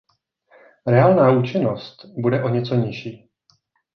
Reálná účinnost bude o něco nižší.